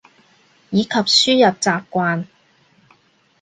以及輸入習慣